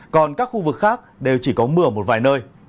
còn các khu vực khác đều chỉ có mưa một vài nơi